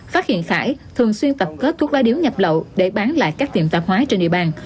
phát hiện khải thường xuyên tập kết thuốc lá điếu nhập lậu để bán lại các tiệm tạp hóa trên địa bàn